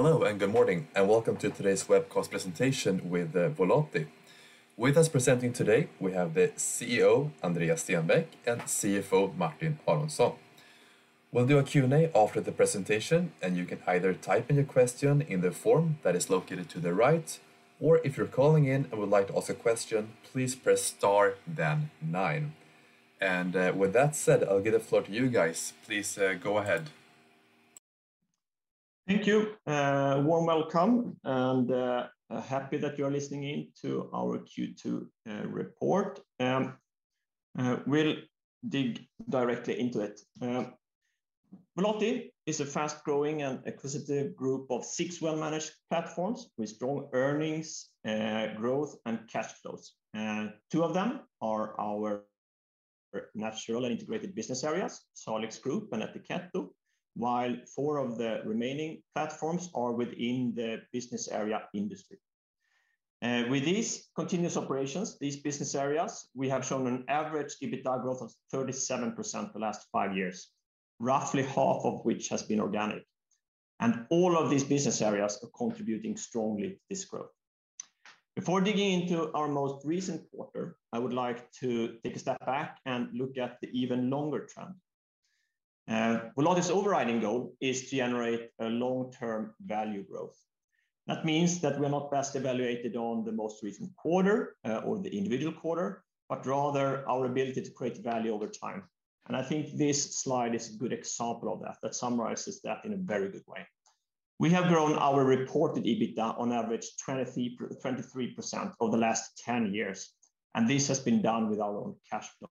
Hello, good morning, welcome to today's webcast presentation with Volati. With us presenting today, we have the CEO, Andreas Stenbäck, and CFO, Martin Aronsson. We'll do a Q&A after the presentation. You can either type in your question in the form that is located to the right, or if you're calling in and would like to ask a question, please press star, then nine. With that said, I'll give the floor to you guys. Please go ahead. Thank you. warm welcome, happy that you are listening in to our Q2 report. We'll dig directly into it. Volati is a fast-growing and acquisitive group of six well-managed platforms with strong earnings, growth, and cash flows. two of them are our natural and integrated business areas, Salix Group and Ettiketto, while four of the remaining platforms are within the Business Area Industry. With these continuous operations, these business areas, we have shown an average EBITDA growth of 37% the last five years, roughly half of which has been organic. All of these business areas are contributing strongly to this growth. Before digging into our most recent quarter, I would like to take a step back and look at the even longer trend. Volati's overriding goal is to generate a long-term value growth. That means that we're not best evaluated on the most recent quarter or the individual quarter, but rather our ability to create value over time. I think this slide is a good example of that summarizes that in a very good way. We have grown our reported EBITDA on average, 23% over the last 10 years, and this has been done with our own cash flow.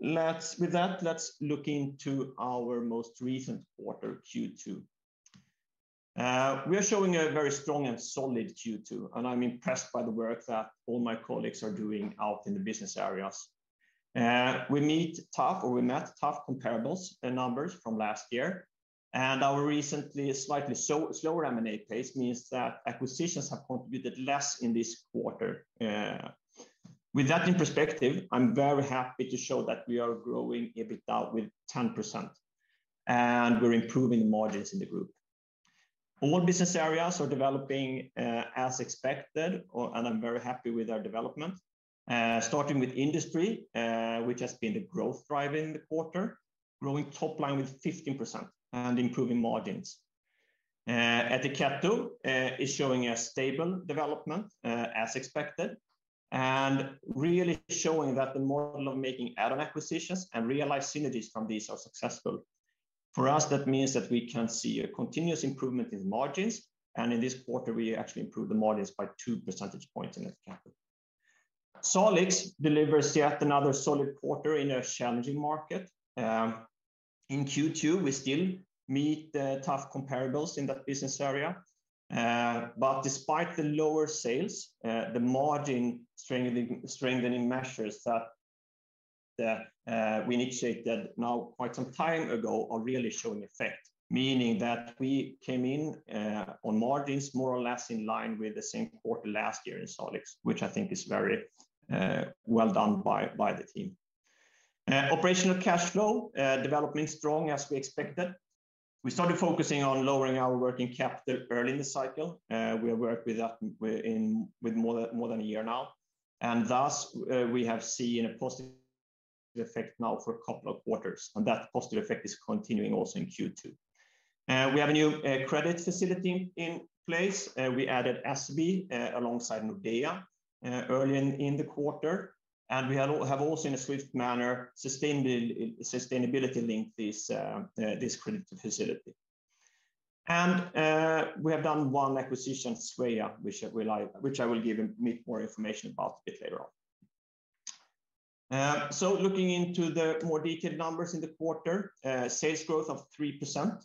Let's, with that, let's look into our most recent quarter, Q2. We are showing a very strong and solid Q2, and I'm impressed by the work that all my colleagues are doing out in the business areas. We meet tough or we met tough comparables and numbers from last year, and our recently slightly slower M&A pace means that acquisitions have contributed less in this quarter. With that in perspective, I'm very happy to show that we are growing EBITDA with 10%, and we're improving the margins in the group. All business areas are developing as expected, I'm very happy with our development. Starting with industry, which has been the growth drive in the quarter, growing top line with 15% and improving margins. Ettiketto is showing a stable development as expected, really showing that the model of making add-on acquisitions and realize synergies from these are successful. For us, that means that we can see a continuous improvement in margins, and in this quarter, we actually improved the margins by two percentage points in Ettiketto. Salix delivers yet another solid quarter in a challenging market. In Q2, we still meet the tough comparables in that business area. Despite the lower sales, the margin strengthening measures that we initiated now quite some time ago are really showing effect, meaning that we came in on margins more or less in line with the same quarter last year in Salix, which I think is very well done by the team. Operational cash flow developing strong as we expected. We started focusing on lowering our working capital early in the cycle. We have worked with that with more than a year now, thus we have seen a positive effect now for a couple of quarters, and that positive effect is continuing also in Q2. We have a new credit facility in place. We added SEB alongside Nordea early in the quarter, and we have also, in a swift manner, sustained the sustainability link, this credit facility. We have done one acquisition, Sweja, which I will give me more information about a bit later on. Looking into the more detailed numbers in the quarter, sales growth of 3%.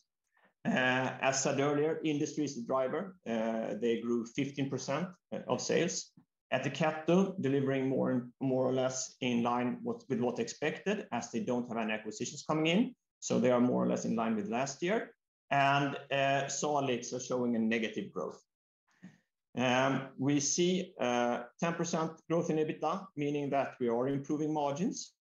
As said earlier, industry is the driver. They grew 15% of sales. Etteplan delivering more or less in line with what's expected, as they don't have any acquisitions coming in, so they are more or less in line with last year. Salix are showing a negative growth. We see 10% growth in EBITDA, meaning that we are improving margins.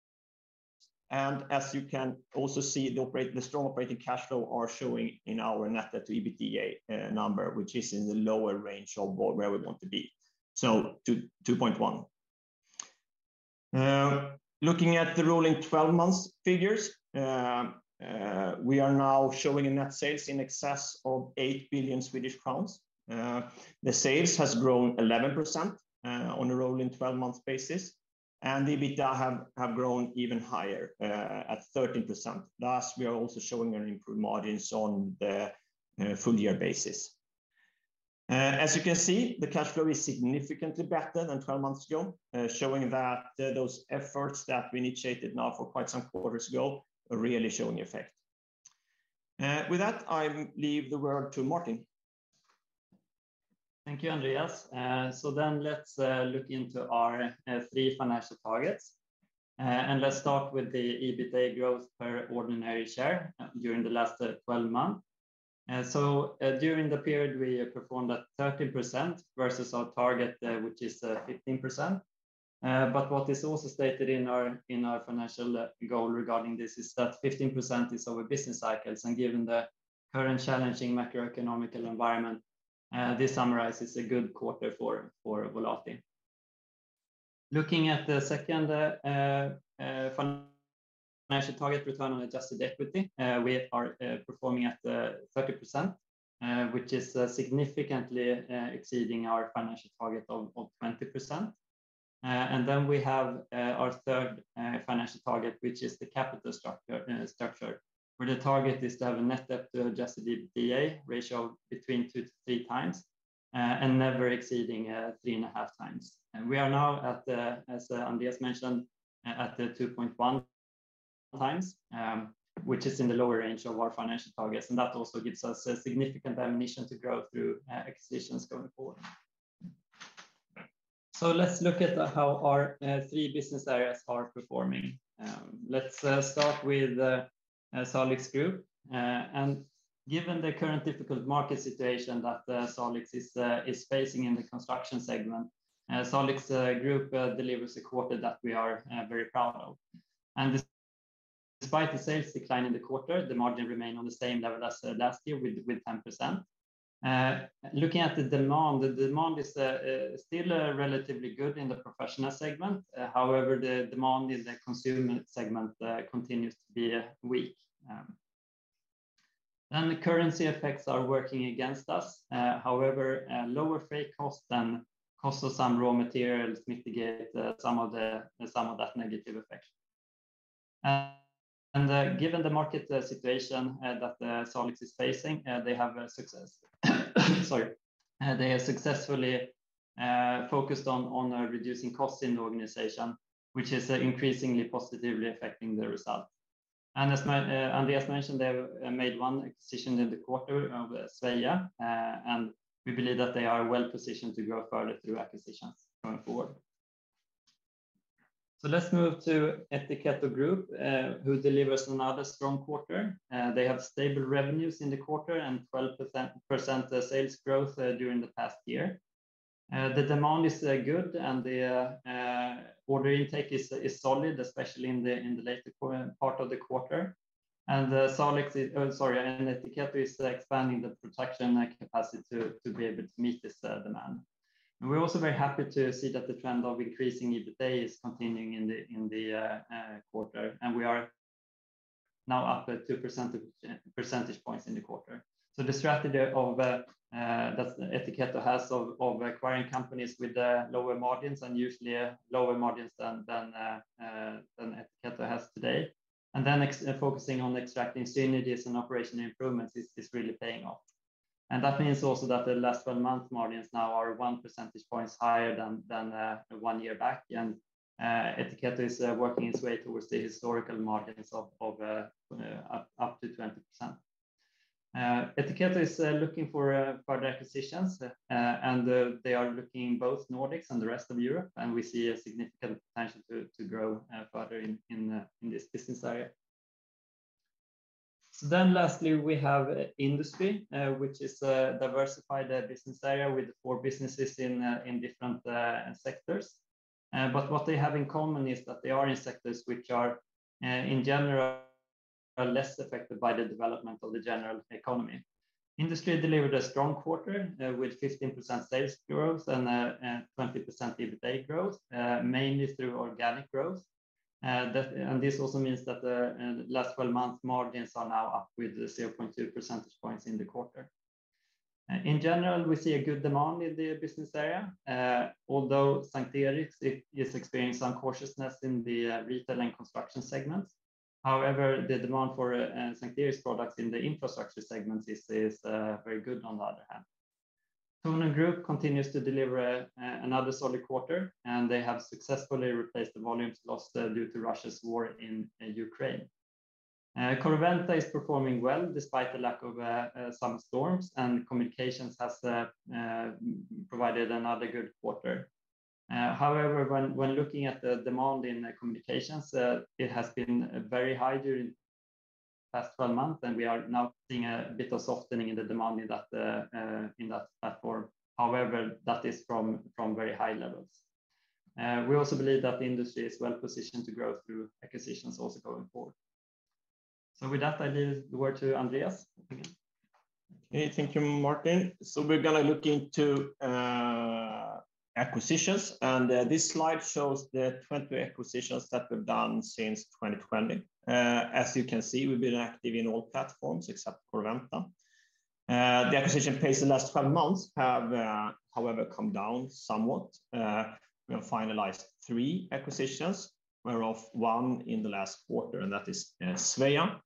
As you can also see, the strong operating cash flow is showing in our net debt-to-EBITDA number, which is in the lower range of where we want to be, total 2.1. Looking at the rolling 12 months figures, we are now showing a net sales in excess of 8 billion Swedish crowns. The sales has grown 11% on a rolling 12 months basis, and EBITDA has grown even higher, at 13%. Thus, we are also showing improved margins on the full year basis. As you can see, the cash flow is significantly better than 12 months ago, showing that those efforts that we initiated now for quite some quarters ago are really showing effect. With that, I leave the word to Martin. Thank you, Andreas. Then let's look into our three financial targets. And let's start with the EBITA growth per ordinary share during the last 12 months. So, during the period, we performed at 13% versus our target, which is 15%. But what is also stated in our financial goal regarding this is that 15% is over business cycles, and given the current challenging macroeconomical environment, this summarizes a good quarter for Volati. Looking at the second financial target, return on adjusted equity, we are performing at 30%, which is significantly exceeding our financial target of 20%. We have our third financial target, which is the capital structure, where the target is to have a net debt to adjusted EBITDA ratio between two to three times and never exceeding three and a half times. We are now at the, as Andreas mentioned, at the 2.1x, which is in the lower range of our financial targets, and that also gives us significant ammunition to grow through acquisitions going forward. Let's look at how our three business areas are performing. Let's start with Salix Group. Given the current difficult market situation that Salix is facing in the construction segment, Salix Group delivers a quarter that we are very proud of. Despite the sales decline in the quarter, the margin remained on the same level as last year, with 10%. Looking at the demand, the demand is still relatively good in the professional segment. However, the demand in the consumer segment continues to be weak. The currency effects are working against us. However, lower freight costs and costs of some raw materials mitigate some of that negative effect. Given the market situation that Salix is facing, they have a success. Sorry. They have successfully focused on reducing costs in the organization, which is increasingly positively affecting the result. As my Andreas mentioned, they have made one acquisition in the quarter of Sweja, and we believe that they are well positioned to grow further through acquisitions going forward. Let's move to Ettiketto Group, who delivers another strong quarter. They have stable revenues in the quarter and 12% sales growth during the past year. The demand is good, and the order intake is solid, especially in the later part of the quarter. Salix, sorry, and Ettiketto is expanding the production capacity to be able to meet this demand. We're also very happy to see that the trend of increasing EBITDA is continuing in the quarter, and we are now up 2%, percentage points in the quarter. The strategy of that Ettiketto has of acquiring companies with lower margins and usually lower margins than Ettiketto has today. Focusing on extracting synergies and operational improvements is really paying off. That means also that the last 12 months margins now are one percentage point higher than one year back. Ettiketto is working its way towards the historical margins of up to 20%. Ettiketto is looking for further acquisitions, and they are looking both Nordics and the rest of Europe, and we see a significant potential to grow further in this business area. Lastly, we have Industry, which is a diversified business area with four businesses in different sectors. What they have in common is that they are in sectors which are in general, less affected by the development of the general economy. Industry delivered a strong quarter, with 15% sales growth and 20% EBITDA growth, mainly through organic growth. This also means that the last 12 months margins are now up with 0.2 percentage points in the quarter. In general, we see a good demand in the business area, although Salix is experiencing some cautiousness in the retail and construction segments. However, the demand for Salix products in the infrastructure segment is very good on the other hand. Tornum Group continues to deliver another solid quarter, and they have successfully replaced the volumes lost due to Russia's war in Ukraine. Corroventa is performing well, despite the lack of some storms, and Communications has provided another good quarter. However, when looking at the demand in Communications, it has been very high during the last 12 months, and we are now seeing a bit of softening in the demand in that in that platform. However, that is from very high levels. We also believe that the industry is well positioned to grow through acquisitions also going forward. With that, I leave the word to Andreas again. Okay. Thank you, Martin. We're going to look into acquisitions, this slide shows the 20 acquisitions that we've done since 2020. As you can see, we've been active in all platforms except Corroventa. The acquisition pace in the last 12 months have, however, come down somewhat. We have finalized three acquisitions, whereof one in the last quarter, and that is Sweja.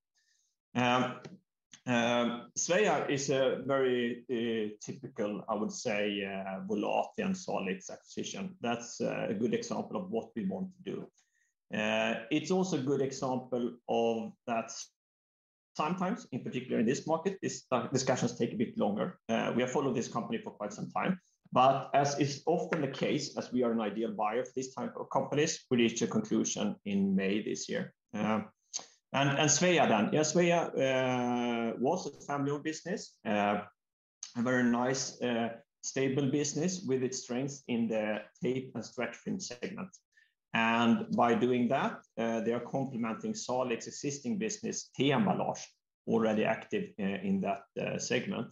Sweja is a very typical, I would say, Volati and Salix acquisition. That's a good example of what we want to do. It's also a good example of that sometimes, in particular in this market, this discussions take a bit longer. We have followed this company for quite some time, but as is often the case, as we are an ideal buyer for these type of companies, we reached a conclusion in May this year. Sweja then. Sweja was a family-owned business, a very nice, stable business with its strengths in the tape and stretch film segment. By doing that, they are complementing Salix's existing business, T-Emballage, already active in that segment.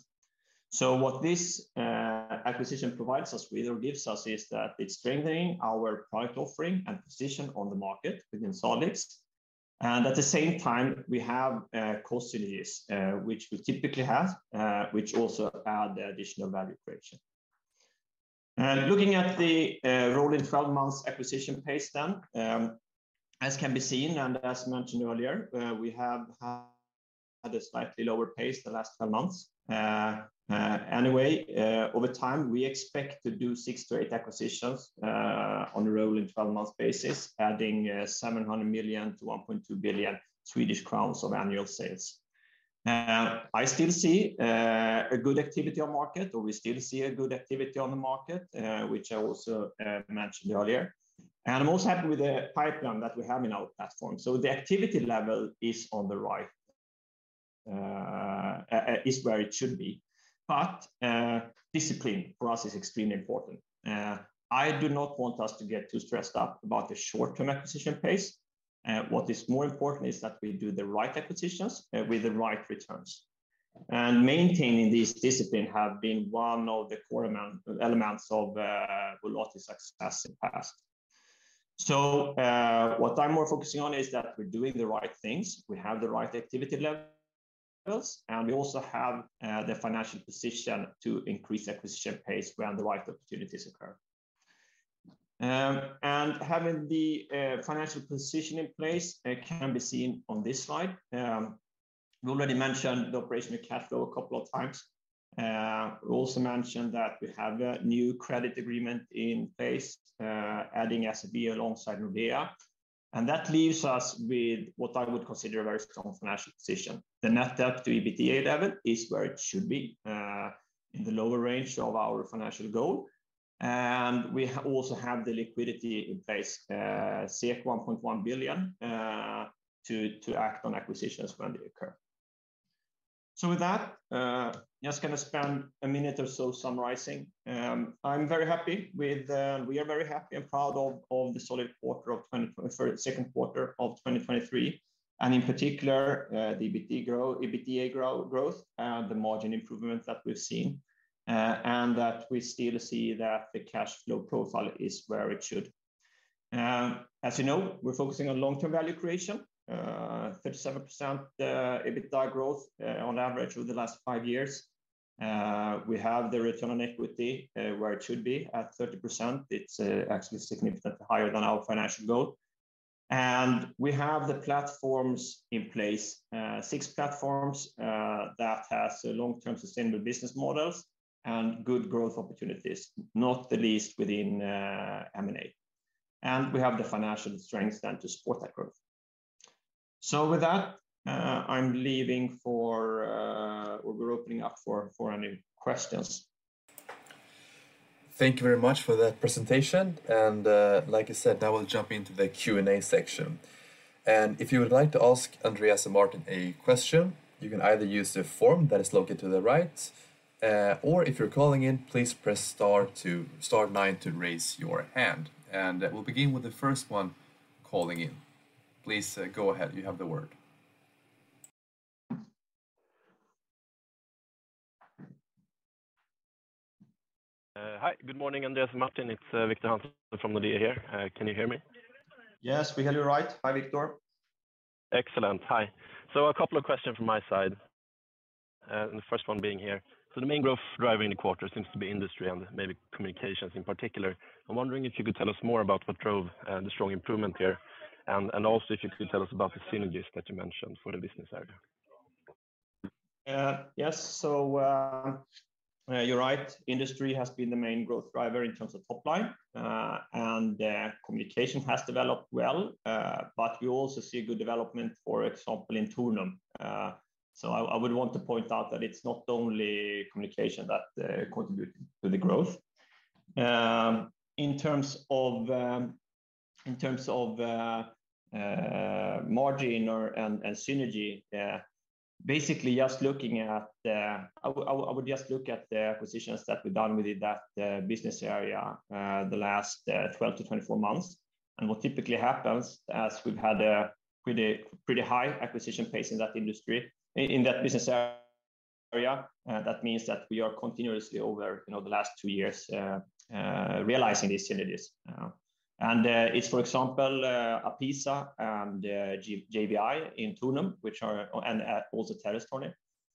What this acquisition provides us with or gives us is that it's strengthening our product offering and position on the market within Salix. At the same time, we have cost synergies, which we typically have, which also add additional value creation. Looking at the rolling 12 months acquisition pace, as can be seen and as mentioned earlier, we have had a slightly lower pace the last 12 months. Anyway, over time, we expect to do six to eight acquisitions on a rolling 12 month basis, adding 700 million to 1.2 billion Swedish crowns of annual sales. I still see a good activity on market, or we still see a good activity on the market, which I also mentioned earlier. I'm also happy with the pipeline that we have in our platform. The activity level is on the right, is where it should be. Discipline for us is extremely important. I do not want us to get too stressed out about the short-term acquisition pace. What is more important is that we do the right acquisitions with the right returns. Maintaining this discipline have been one of the core elements of Volati's success in the past. What I'm more focusing on is that we're doing the right things. We have the right activity levels, and we also have the financial position to increase acquisition pace when the right opportunities occur. Having the financial position in place can be seen on this slide. We already mentioned the operational cash flow a couple of times. We also mentioned that we have a new credit agreement in place, adding SEB alongside Nordea, and that leaves us with what I would consider a very strong financial position. The net debt-to-EBITDA level is where it should be, in the lower range of our financial goal. We also have the liquidity in place, 1.1 billion, to act on acquisitions when they occur. With that, just going to spend a minute or so summarizing. We are very happy and proud of the solid quarter for the second quarter of 2023, and in particular, the EBITDA growth, the margin improvements that we've seen, and that we still see that the cash flow profile is where it should. You know, we're focusing on long-term value creation, 37% EBITDA growth, on average over the last five years. We have the return on equity where it should be at 30%. It's actually significantly higher than our financial goal. We have the platforms in place, six platforms that has long-term sustainable business models and good growth opportunities, not the least within M&A. We have the financial strength then to support that growth. With that, I'm leaving for, or we're opening up for any questions. Thank you very much for that presentation. Like I said, I will jump into the Q&A section. If you would like to ask Andreas and Martin a question, you can either use the form that is located to the right, or if you're calling in, please press star nine to raise your hand. We'll begin with the first one calling in. Please, go ahead. You have the word. Hi, good morning, Andreas and Martin. It's Victor Hansen from Nordea here. Can you hear me? Yes, we hear you right. Hi, Victor. Excellent. Hi. A couple of questions from my side, and the first one being here. The main growth driving the quarter seems to be industry and maybe communications in particular. I'm wondering if you could tell us more about what drove the strong improvement here, and also, if you could tell us about the synergies that you mentioned for the business area. Yes. You're right, industry has been the main growth driver in terms of top line, communication has developed well, you also see a good development, for example, in Tornum. I would want to point out that it's not only communication that contributed to the growth. In terms of, in terms of margin or, and synergy, basically, I would just look at the acquisitions that we've done within that business area, the last 12 to 24 months. What typically happens, as we've had a pretty high acquisition pace in that industry, in that business area, that means that we are continuously over, you know, the last two years, realizing these synergies. It's, for example, APISA and JPI-Industries OY in Tornum, which are, and also Terästorni.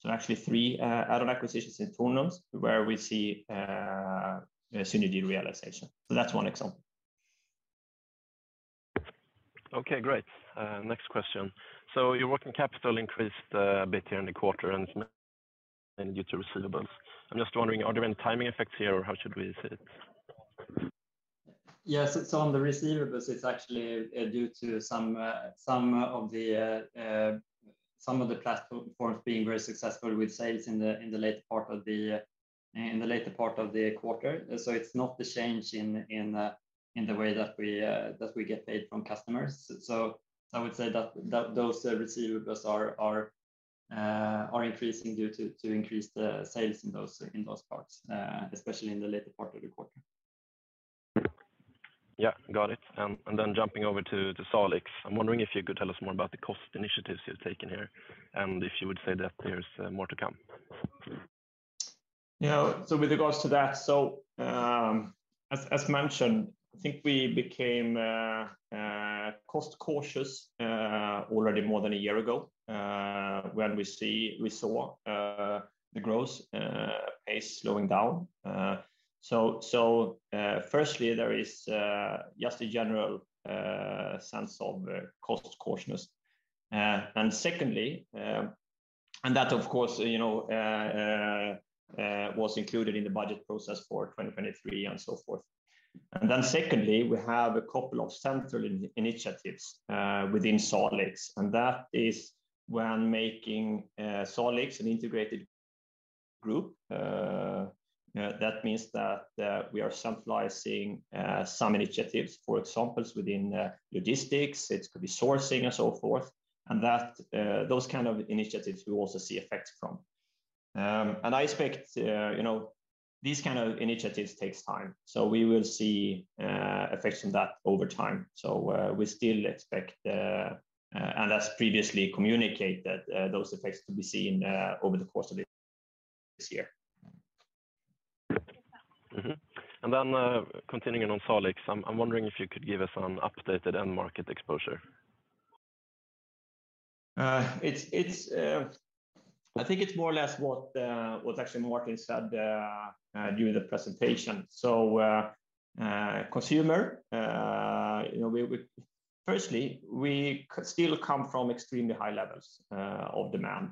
Actually, three, out of acquisitions in Tornum, where we see, a synergy realization. That's one example. Okay, great. next question. Your working capital increased a bit here in the quarter due to receivables. I'm just wondering, are there any timing effects here, or how should we see it? Yes, it is on the receivables. It is actually due to some of the platforms being very successful with sales in the later part of the quarter. It is not the change in.... in the way that we get paid from customers. I would say that those receivables are increasing due to increased sales in those parts, especially in the later part of the quarter. Yeah, got it. Then jumping over to Salix, I'm wondering if you could tell us more about the cost initiatives you've taken here, and if you would say that there's more to come? With regards to that, so, as mentioned, I think we became cost cautious already more than a year ago, when we saw the growth pace slowing down. Firstly, there is just a general sense of cost cautiousness. Secondly, and that, of course, you know, was included in the budget process for 2023, and so forth. Then secondly, we have a couple of central initiatives within Salix, and that is when making Salix an integrated group. That means that we are centralizing some initiatives, for example, within logistics, it could be sourcing and so forth. That, those kind of initiatives, we also see effects from. I expect, you know, these kind of initiatives takes time, so we will see, effects from that over time. We still expect, and as previously communicated, those effects to be seen, over the course of this year. Continuing on Salix, I'm wondering if you could give us an updated end market exposure. I think it's more or less what actually Martin said during the presentation. Consumer, you know, we firstly, we still come from extremely high levels of demand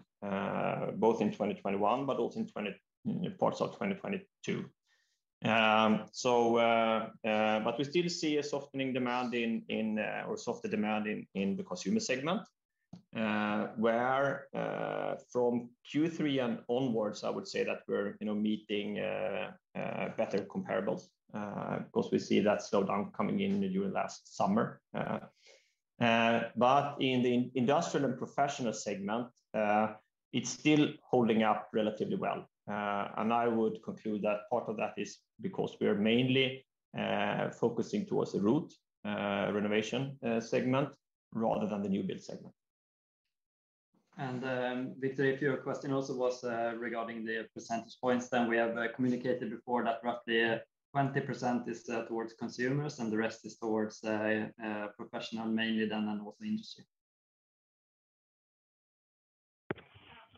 both in 2021, but also in parts of 2022. But we still see a softening demand in or softer demand in the consumer segment, where from Q3 and onwards, I would say that we're, you know, meeting better comparables, because we see that slowdown coming in during last summer. But in the industrial and professional segment, it's still holding up relatively well. I would conclude that part of that is because we are mainly focusing towards the root renovation segment, rather than the new build segment. Victor, if your question also was regarding the percentage points, then we have communicated before that roughly 20% is towards consumers, and the rest is towards professional, mainly, then, and also industry.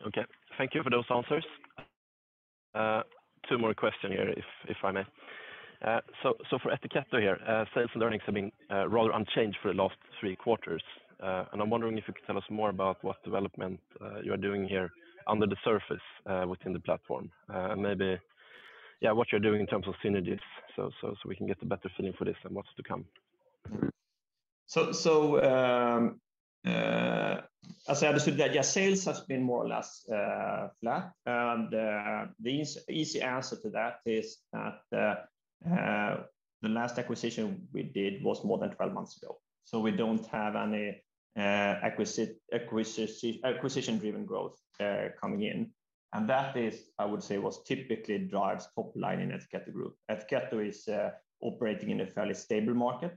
Okay, thank you for those answers. two more question here, if I may. For Ettiketto here, sales and earnings have been rather unchanged for the last three quarters. I'm wondering if you could tell us more about what development you are doing here under the surface within the platform, and maybe, yeah, what you're doing in terms of synergies, so we can get a better feeling for this and what's to come. As I understood that, yeah, sales has been more or less flat, and the easy answer to that is that the last acquisition we did was more than 12 months ago, so we don't have any acquisition-driven growth coming in. That is, I would say, what typically drives top line in Ettiketto Group. Ettiketto is operating in a fairly stable market,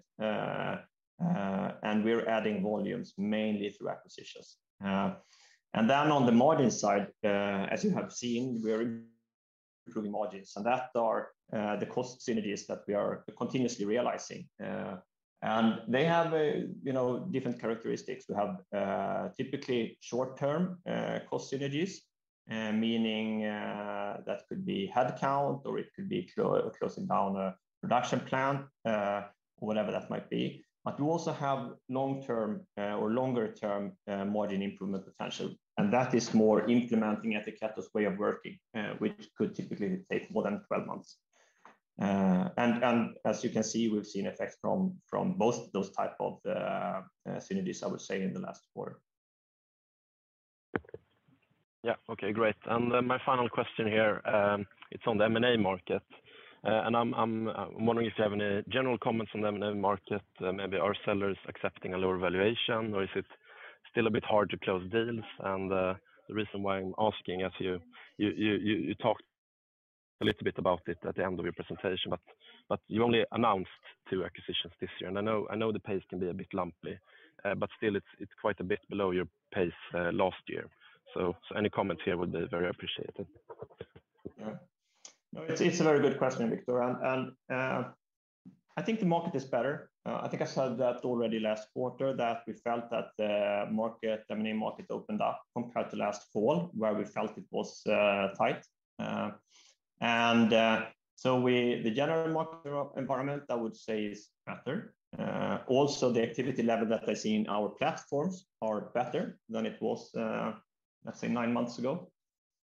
and we're adding volumes mainly through acquisitions. Then on the margin side, as you have seen, we are improving margins, and that are the cost synergies that we are continuously realizing. And they have, you know, different characteristics. We have typically short-term cost synergies, meaning that could be head count, or it could be closing down a production plant, whatever that might be. We also have long-term or longer-term margin improvement potential, and that is more implementing Ettiketto's way of working, which could typically take more than 12 months. As you can see, we've seen effects from both those type of synergies, I would say, in the last quarter. Okay, great. My final question here, it's on the M&A market, and I'm wondering if you have any general comments on the M&A market. Maybe are sellers accepting a lower valuation, or is it still a bit hard to close deals? The reason why I'm asking, as you talked a little bit about it at the end of your presentation, but you only announced two acquisitions this year. I know the pace can be a bit lumpy, but still it's quite a bit below your pace last year. Any comment here would be very appreciated. Yeah. No, it's a very good question, Victor. I think the market is better. I think I said that already last quarter, that we felt that the market, the M&A market opened up compared to last fall, where we felt it was tight. The general market environment, I would say, is better. Also, the activity level that I see in our platforms are better than it was, let's say nine months ago.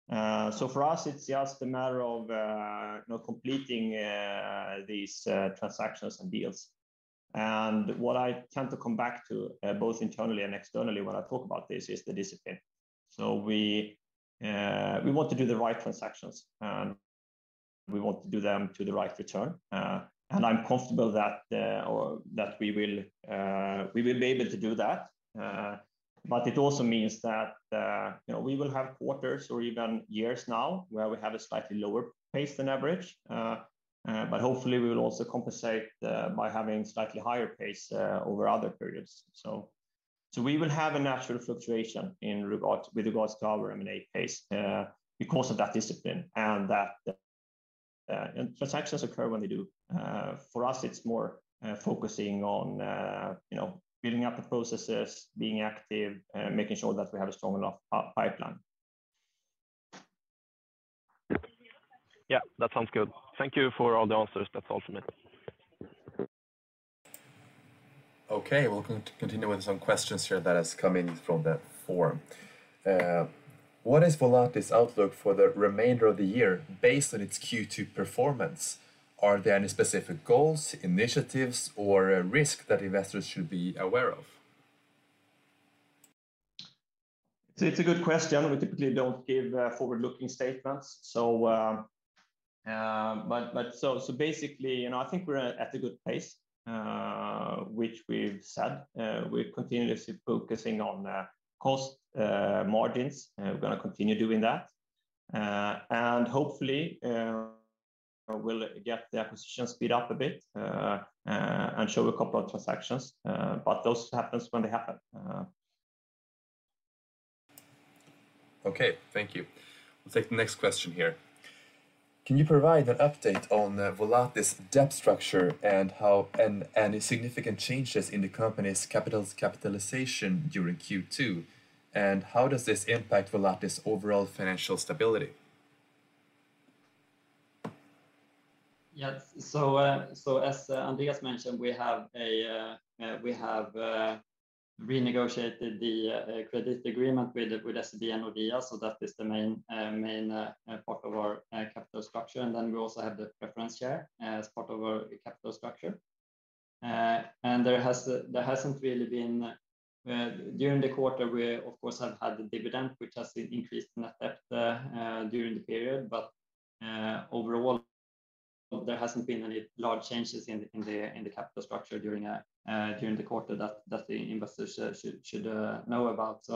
For us, it's just a matter of, you know, completing these transactions and deals. What I tend to come back to, both internally and externally, when I talk about this, is the discipline. We want to do the right transactions, and we want to do them to the right return. I'm comfortable that or that we will be able to do that. It also means that, you know, we will have quarters or even years now where we have a slightly lower pace than average. Hopefully we will also compensate by having slightly higher pace over other periods. We will have a natural fluctuation with regards to our M&A pace because of that discipline and that and transactions occur when they do. For us, it's more focusing on, you know, building up the processes, being active, making sure that we have a strong enough pipeline. Yeah, that sounds good. Thank you for all the answers. That's all from me. Okay, we're going to continue with some questions here that has come in from the forum. What is Volati's outlook for the remainder of the year based on its Q2 performance? Are there any specific goals, initiatives, or risks that investors should be aware of? It's a good question. We typically don't give, forward-looking statements. Basically, you know, I think we're at a good pace, which we've said. We're continuously focusing on, cost, margins, and we're going to continue doing that. Hopefully, we'll get the acquisition speed up a bit, and show a couple of transactions. Those happens when they happen. Okay, thank you. We'll take the next question here. Can you provide an update on Volati's debt structure and any significant changes in the company's capitalization during Q2? How does this impact Volati's overall financial stability? Yes. As Andreas mentioned, we have renegotiated the credit agreement with SEB and Nordea, that is the main part of our capital structure. We also have the preference share as part of our capital structure. During the quarter, we, of course, have had the dividend, which has increased net debt during the period. Overall, there hasn't been any large changes in the capital structure during the quarter that the investors should know about.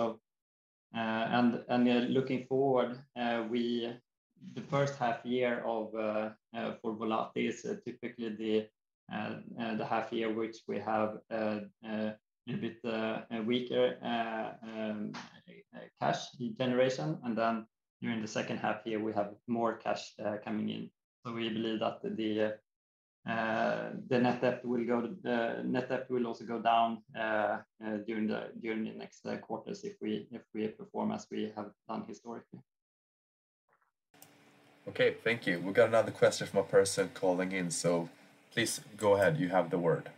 Looking forward, the first half year for Volati is typically the half year, which we have a little bit weaker cash generation. During the second half year, we have more cash coming in. We believe that the net debt will also go down during the next quarters if we perform as we have done historically. Okay, thank you. We've got another question from a person calling in. Please go ahead. You have the word.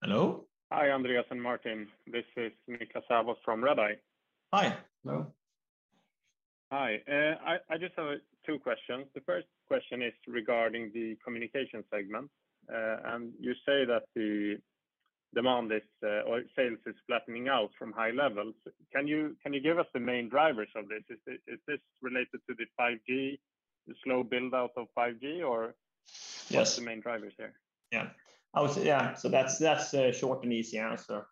Hello? Hi, Andreas and Martin. This is Niklas Sävås from Redeye. Hi. Hello. Hi. I just have two questions. The first question is regarding the communication segment. You say that the demand is, or sales is flattening out from high levels. Can you give us the main drivers of this? Is this related to the 5G, the slow build-out of 5G, or- Yes What's the main drivers there? Yeah, I would say, yeah. That's a short and easy answer.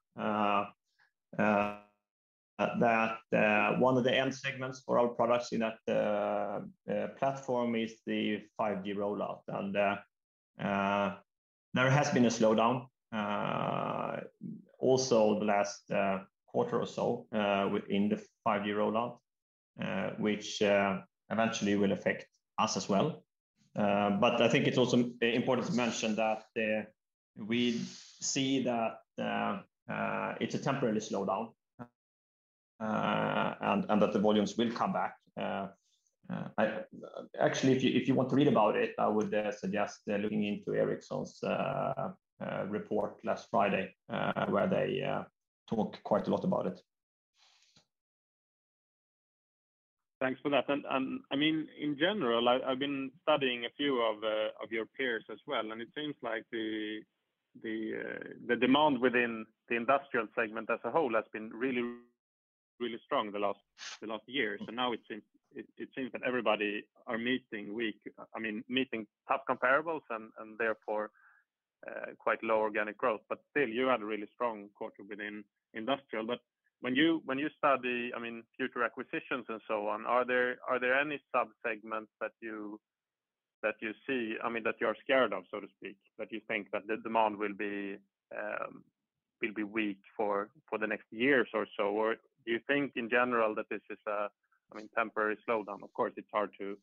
That one of the end segments for our products in that platform is the 5G rollout. There has been a slowdown also the last quarter or so within the 5G rollout, which eventually will affect us as well. I think it's also important to mention that we see that it's a temporary slowdown and that the volumes will come back. Actually, if you want to read about it, I would suggest looking into Ericsson's report last Friday, where they talked quite a lot about it. Thanks for that. I mean, in general, I've been studying a few of your peers as well, and it seems like the demand within the industrial segment as a whole has been really, really strong the last year. Now it seems that everybody are meeting tough comparables and therefore quite low organic growth. Still, you had a really strong quarter within industrial. When you study, I mean, future acquisitions and so on, are there any subsegments that you see, I mean, that you are scared of, so to speak, that you think that the demand will be weak for the next years or so? Do you think in general that this is a, I mean, temporary slowdown? Of course, it's hard to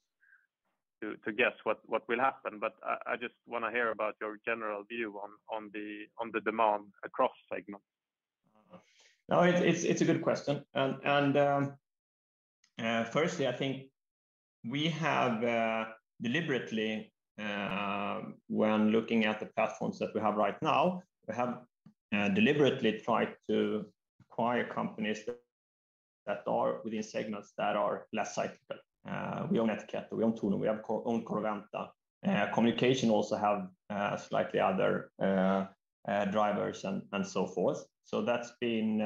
guess what will happen, but I just want to hear about your general view on the demand across segments. No, it's a good question. Firstly, I think we have deliberately when looking at the platforms that we have right now, we have deliberately tried to acquire companies that are within segments that are less cyclical. We own Ettiketto, we own Tornum, we own Corroventa. Communication also have slightly other drivers and so forth. That's been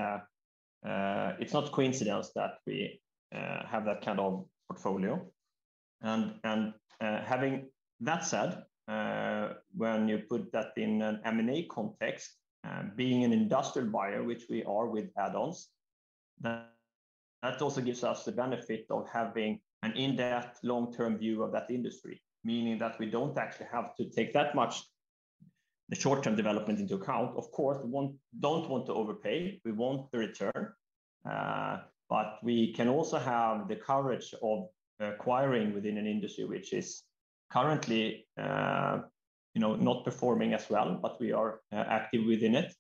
it's not coincidence that we have that kind of portfolio. Having that said, when you put that in an M&A context, being an industrial buyer, which we are with add-ons, that also gives us the benefit of having an in-depth, long-term view of that industry. Meaning that we don't actually have to take that much the short-term development into account. Of course, we don't want to overpay, we want the return. We can also have the courage of acquiring within an industry which is currently, you know, not performing as well, but we are active within it.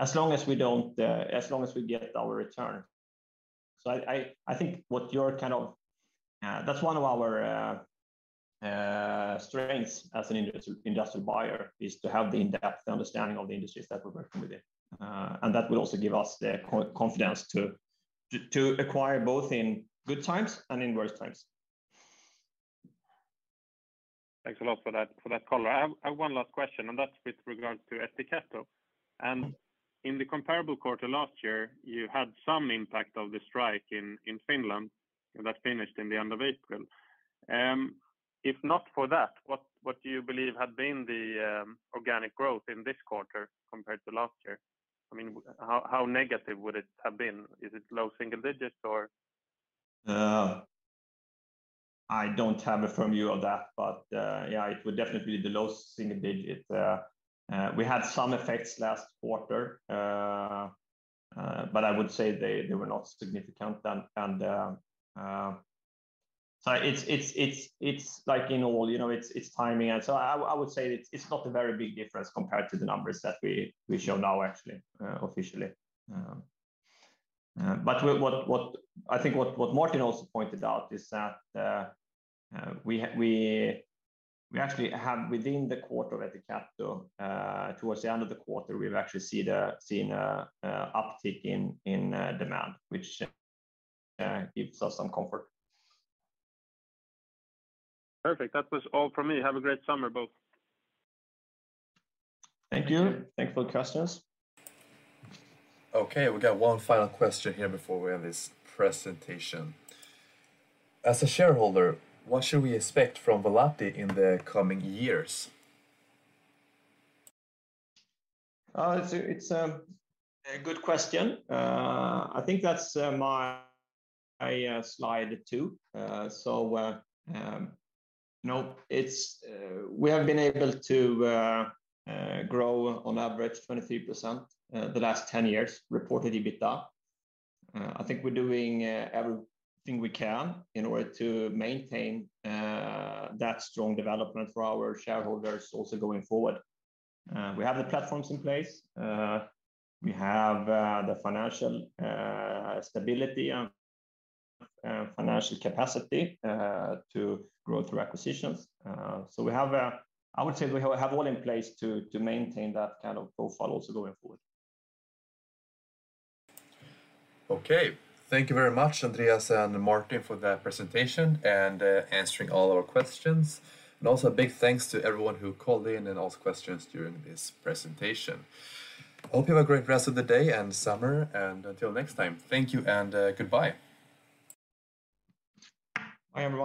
As long as we don't, as long as we get our return. I think what you're kind of. That's one of our strengths as an industrial buyer, is to have the in-depth understanding of the industries that we're working within. That will also give us the confidence to acquire both in good times and in worse times. Thanks a lot for that, for that color. I have 1 last question, and that's with regard to Ettiketto. In the comparable quarter last year, you had some impact of the strike in Finland, and that finished in the end of April. If not for that, what do you believe had been the organic growth in this quarter compared to last year? I mean, how negative would it have been? Is it low single digits, or? I don't have a firm view of that, but yeah, it would definitely be the low single digit. We had some effects last quarter, but I would say they were not significant. So it's like in all, you know, it's timing. So I would say it's not a very big difference compared to the numbers that we show now, actually, officially. What I think what Martin also pointed out is that we actually have within the quarter of Ettiketto, towards the end of the quarter, we've actually seen a uptick in demand, which gives us some comfort. Perfect. That was all from me. Have a great summer, both. Thank you. Thank you for the questions. Okay, we got one final question here before we end this presentation. As a shareholder, what should we expect from Volati in the coming years? It's a good question. I think that's my slide, too. you know, it's we have been able to grow on average 23% the last 10 years, reported EBITDA. I think we're doing everything we can in order to maintain that strong development for our shareholders also going forward. We have the platforms in place. We have the financial stability and financial capacity to grow through acquisitions. We have I would say we have all in place to maintain that kind of profile also going forward. Okay. Thank you very much, Andreas and Martin, for that presentation and answering all our questions. Also a big thanks to everyone who called in and asked questions during this presentation. Hope you have a great rest of the day and summer, and until next time, thank you and goodbye. Bye, everyone.